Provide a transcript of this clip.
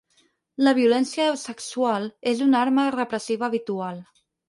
La violència sexual és una arma repressiva habitual.